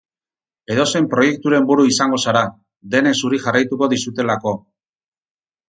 Edozein proiekturen buru izango zara, denek zuri jarraituko dizutelako.